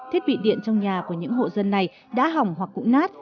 thiết bị điện trong nhà của những hộ dân này đã hỏng hoặc cũng nát